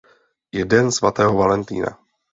Je Den svatého Valentýna.